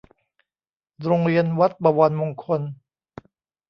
โรงเรียนวัดบวรมงคล